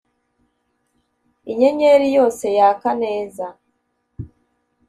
inyenyeri yose yaka neza